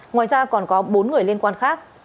ngoài ra còn có bốn người liên quan khác